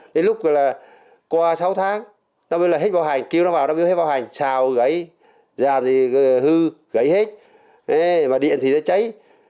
đến lúc là qua sáu tháng nó biết là hết bảo hành kêu nó vào nó biết hết bảo hành xào gãy dàn thì hư gãy hết mà điện thì nó cháy